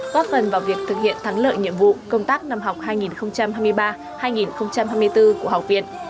góp phần vào việc thực hiện thắng lợi nhiệm vụ công tác năm học hai nghìn hai mươi ba hai nghìn hai mươi bốn của học viện